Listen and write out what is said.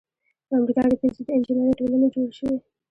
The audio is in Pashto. په امریکا کې پنځه د انجینری ټولنې جوړې شوې.